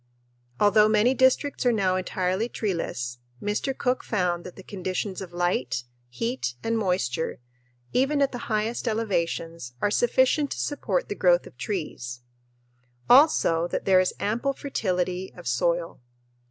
Although many districts are now entirely treeless, Mr. Cook found that the conditions of light, heat, and moisture, even at the highest elevations, are sufficient to support the growth of trees; also that there is ample fertility of soil.